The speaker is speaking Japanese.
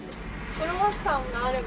クロワッサンがあれば。